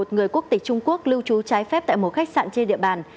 một mươi một người quốc tịch trung quốc lưu trú trái phép tại một khách sạn trên địa bàn